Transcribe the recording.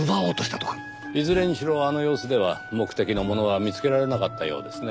いずれにしろあの様子では目的のものは見つけられなかったようですね。